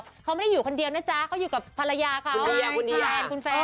เขาก็ไม่ได้อยู่คนเดียวนะจ๊ะอยู่กับภาระยาและแฟน